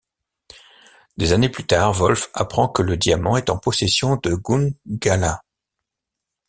Des années plus tard, Wolf apprend que le diamant est en possession de Gungala.